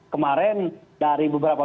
kemarin dari beberapa